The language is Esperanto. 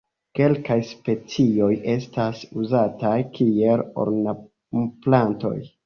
Kelkaj specioj estas uzataj kiel ornamplantoj.